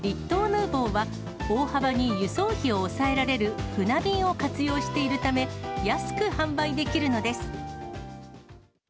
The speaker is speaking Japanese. ヌーヴォは、大幅に輸送費を抑えられる船便を活用しているため、安く販売できるのです。